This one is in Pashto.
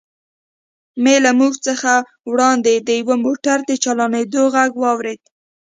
مې له موږ څخه وړاندې د یوه موټر د چالانېدو غږ واورېد.